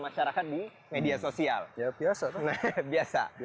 masyarakat di media sosial biasa